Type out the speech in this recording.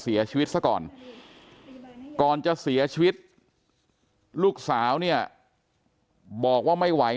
เสียชีวิตซะก่อนก่อนจะเสียชีวิตลูกสาวเนี่ยบอกว่าไม่ไหว